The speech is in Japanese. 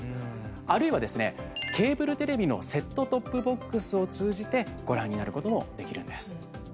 あるいは、ケーブルテレビのセットトップボックスを通じてご覧になることもできるんです。